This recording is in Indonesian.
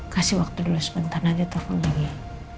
kasih waktu dulu sebentar nanti telfon lagi